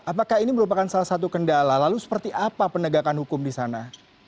apakah ini merupakan salah satu kendala lalu seperti apa penegakan hukum di sana